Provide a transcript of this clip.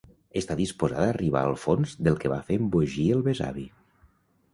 Està disposada a arribar al fons del que va fer embogir el besavi.